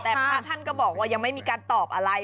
แต่พระท่านก็บอกว่ายังไม่มีการตอบอะไร